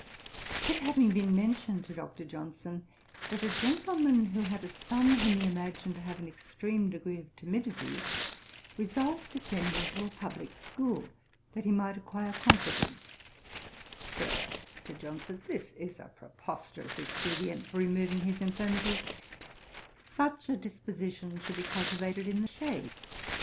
It having been mentioned to Dr. Johnson that a gentleman who had a son whom he imagined to have an extreme degree of timidity, resolved to send him to a publick school, that he might acquire confidence; ' Sir, (said Johnson,) this is a preposterous expedient for removing his infirmity; such a disposition should be cultivated in the shade.